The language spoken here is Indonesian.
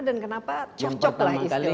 dan kenapa cocok lagi